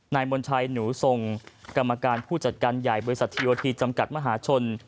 มณชัยหนูทรงกรรมการผู้จัดการใหญ่บริษัททีโอทีจำกัดมหาชน